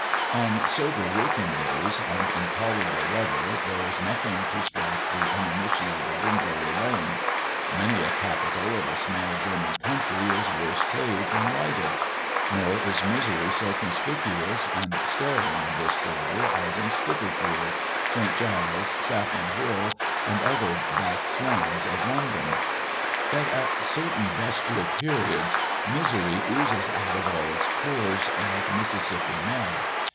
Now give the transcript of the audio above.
On sober working days, and in tolerable weather, there is nothing to strike the uninitiated in Drury lane. Many a capital of a small German country is worse paved and lighted. Nor is misery so conspicuous and staring in this quarter as in Spitalfields, St. Giles', Saffron hill, and other "back slums" of London. But at certain bestial periods, misery oozes out of all its pores like Mississipi mud.